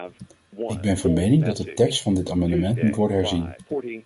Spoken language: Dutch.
Ik ben van mening dat de tekst van dit amendement moet worden herzien.